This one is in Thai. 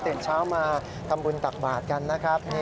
ตื่นเช้ามาทำบุญตักบาทกันนะครับ